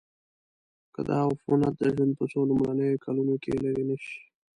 که دا عفونت د ژوند په څو لومړنیو کلونو کې لیرې نشي.